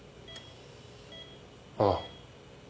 ああ。